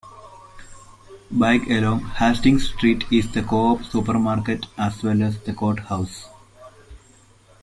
Back along Hastings Street is the Co-op supermarket as well as the court house.